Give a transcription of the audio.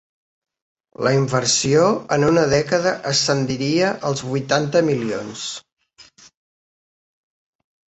La inversió en una dècada ascendiria als vuitanta milions.